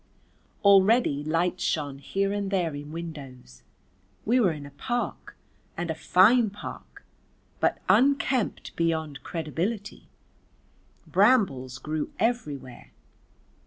Already lights shone here and there in windows. We were in a park, and a fine park, but unkempt beyond credibility; brambles grew everywhere.